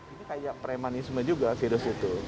ini kayak premanisme juga virus itu